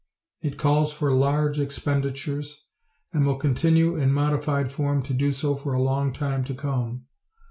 It calls for large expenditures and will continue in modified form to do so for a long time to come.